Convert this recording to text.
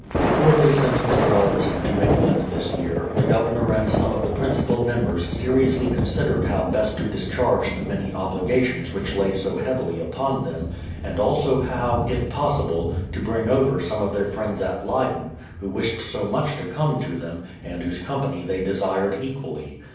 Before they sent Mr. Allerton to England this year, the Governor and some of the principal members seriously considered how best to discharge the many obligations which lay so heavily upon them, and also how, if possible, to bring over some of their friends at Leyden, who wished so much to come to them, and whose company they de sired equally.